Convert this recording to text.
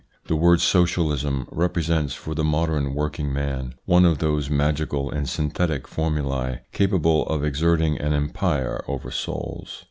The word Socialism represents for the modern working man one of those magical and synthetic formulae capable of exerting an empire over souls.